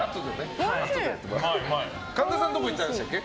神田さんどこ行ったんでしたっけ？